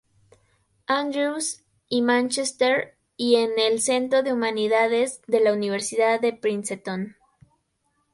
Andrews y Manchester y en el Centro de Humanidades de la Universidad de Princeton.